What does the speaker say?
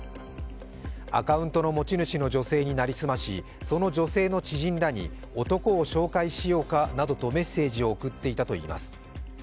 アカウントの持ち主の女性になりすまし、その女性の知人らに男を紹介しようかなどとメッセージを送っていたといいます。